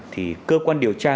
thì cơ quan điều tra